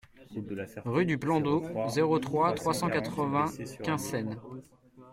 Rue du Plan d'Eau, zéro trois, trois cent quatre-vingts Quinssaines